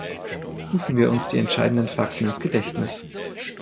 Rufen wir uns die entscheidenden Fakten ins Gedächtnis.